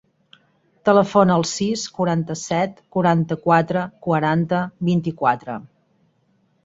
Telefona al sis, quaranta-set, quaranta-quatre, quaranta, vint-i-quatre.